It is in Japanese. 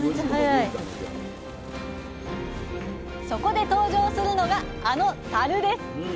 そこで登場するのがあの「たる」です。